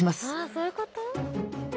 そういうこと？